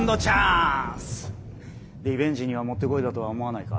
リベンジにはもってこいだとは思わないか？